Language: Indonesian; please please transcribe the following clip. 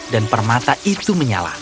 dan permata itu menyala